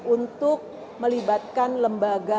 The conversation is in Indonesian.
untuk melibatkan lembaga